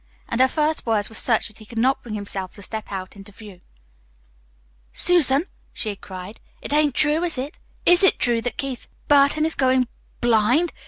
And her first words were such that he could not bring himself to step out into view. "Susan," she had cried, "it ain't true, is it? IS it true that Keith Burton is going BLIND?